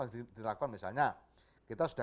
dilakukan misalnya kita sudah